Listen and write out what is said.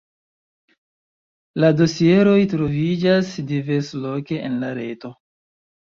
La dosieroj troviĝas diversloke en la reto.